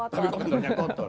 tapi kok kantornya kotor